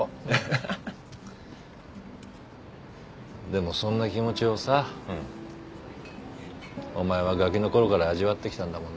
でもそんな気持ちをさお前はがきのころから味わってきたんだもんな。